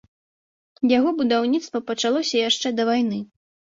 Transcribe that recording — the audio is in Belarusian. Яго будаўніцтва пачалося яшчэ да войны.